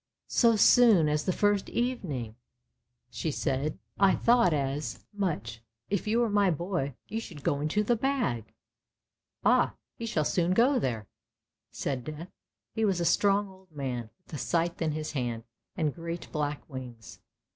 " So soon as the first evening! " she said. " I thought as much; if you were my boy, you should go into the bag! "" Ah, he shall soon go there! " said Death. He was a strong old man, with a scythe in his hand and great black wings.